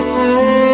makasih ya bu